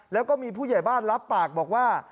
แล้วก็มีผู้ใหญ่บ้านรับปากบอกว่า